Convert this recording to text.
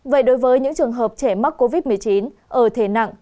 vậy đối với những trường hợp trẻ mắc covid một mươi chín ở thể nặng